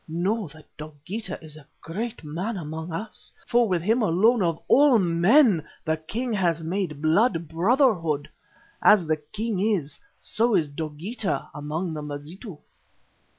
Know that Dogeetah is a great man among us, for with him alone of all men the king has made blood brotherhood. As the king is, so is Dogeetah among the Mazitu."